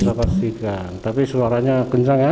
tidak bisa pastikan tapi suaranya kencang ya